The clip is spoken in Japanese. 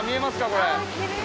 これ。